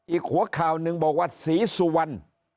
อีกหัวข่าวหนึ่งบอกว่าศรีสุวรรณ